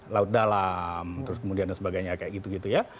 laut dalam terus kemudian dan sebagainya kayak gitu gitu ya